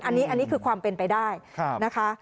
อันนี้คือความเป็นไปได้นะคะ